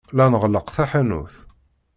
La nɣelleq taḥanut.